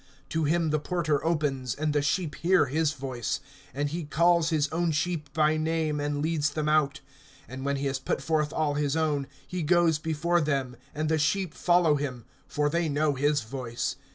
(3)To him the porter opens, and the sheep hear his voice; and he calls his own sheep by name, and leads them out. (4)And when he has put forth all his own, he goes before them; and the sheep follow him, for they know his voice.